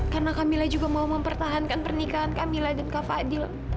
karena kamila juga mau mempertahankan pernikahan kamila dan kafa adil